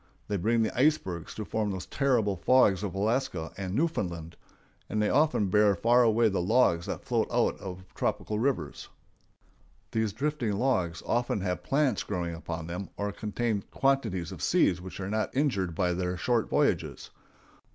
They bring the icebergs to form those terrible fogs of Alaska and Newfoundland; and they often bear far away the logs that float out of tropical rivers. [Illustration: A YOUNG SHIP RIGGER.] These drifting logs often have plants growing upon them or contain quantities of seeds which are not injured by their short voyages.